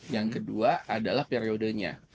yang kedua adalah periodenya